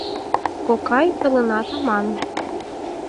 Кокай, толынат аман!